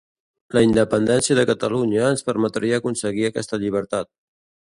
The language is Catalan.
La independència de Catalunya ens permetria aconseguir aquesta llibertat